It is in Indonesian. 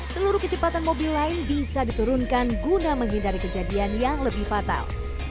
seluruh kecepatan mobil lain bisa diturunkan guna menghindari kejadian yang lebih fatal